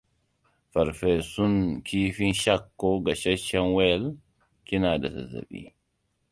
Farfesun kifin shark ko gasasshen whale? Kina da zaɓi.